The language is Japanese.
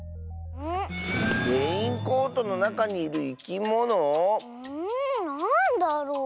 レインコートのなかにいるいきもの？んなんだろう？